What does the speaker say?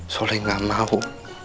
soleh nggak mau